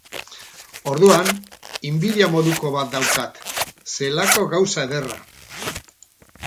Orduan inbidia moduko bat daukat, zelako gauza ederra!